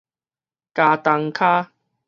茄苳跤